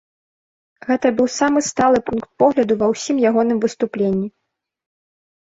Гэта быў самы сталы пункт погляду ва ўсім ягоным выступленні.